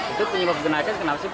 itu penyebab kekenasan kenapa sih bu